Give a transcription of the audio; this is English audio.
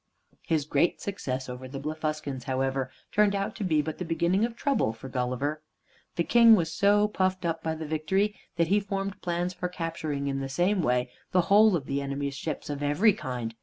His great success over the Blefuscans, however, turned out to be but the beginning of trouble for Gulliver. The King was so puffed up by the victory that he formed plans for capturing in the same way the whole of the enemy's ships of every kind.